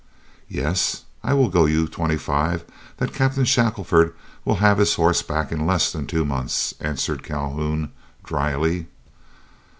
"Yes, I will go you twenty five that Captain Shackelford will have his horse back in less than two months," answered Calhoun, dryly.